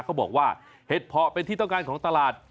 เขาบอกว่าเห็ดเพาะเป็นที่ต้องการของตลาด